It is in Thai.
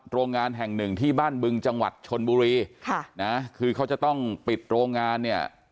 โรงงานแห่งหนึ่งที่บ้านบึงจังหวัดชนบุรีค่ะนะคือเขาจะต้องปิดโรงงานเนี่ย